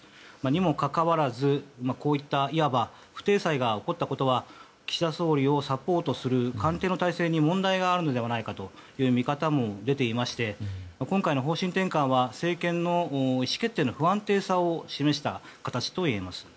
にもかかわらず、こういったいわば不体裁が起こったことは岸田総理をサポートする官邸の体制に問題があるのではないかという見方も出ていまして今回の方針転換は政権の意思決定の不安定さを示した形といえます。